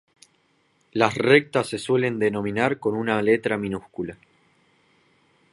Las rectas se suelen denominar con una letra minúscula.